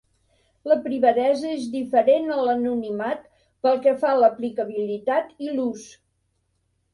La privadesa és diferent a l'anonimat pel que fa a l'aplicabilitat i l'ús.